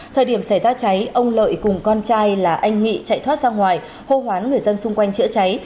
thời điểm xảy ra cháy ông lợi cùng con trai là anh nghị chạy thoát ra ngoài hô hoán người dân xung quanh chữa cháy